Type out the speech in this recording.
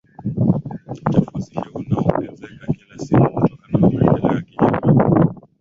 Uchafuzi huu unaongezeka kila siku kutokana na maendeleo ya kijamii